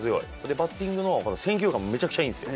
バッティングの選球眼もめちゃくちゃいいんですよ。